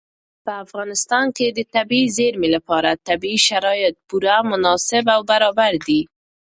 په افغانستان کې د طبیعي زیرمې لپاره طبیعي شرایط پوره مناسب او برابر دي.